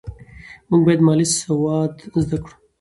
موږ باید مالي سواد زده کړو.